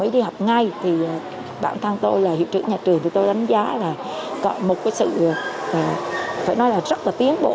đài kiểm soát không lưu nội bài